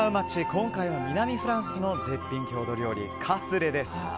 今回は南フランスの絶品郷土料理カスレです。